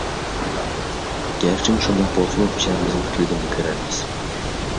گەرچە مۇشۇنداق بولسىمۇ، پېشانىمىزگە پۈتۈلگىنىنى كۆرەرمىز.